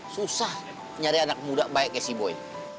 susah nyari anak muda baik ya si boy